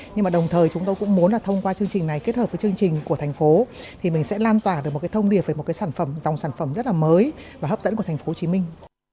nhưng mà đồng thời chúng tôi cũng muốn là thông qua chương trình này kết hợp với chương trình của thành phố thì mình sẽ lan tỏa được một cái thông điệp về một cái sản phẩm dòng sản phẩm rất là mới và hấp dẫn của thành phố hồ chí minh